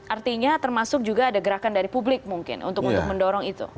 artinya termasuk juga ada gerakan dari publik mungkin untuk mendorong itu